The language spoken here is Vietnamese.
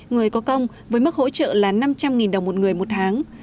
người có công với mức hỗ trợ là năm trăm linh đồng một người một tháng